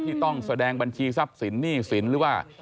ต้องแสดงบัญชีทรัพย์สินหนี้สินหรือว่า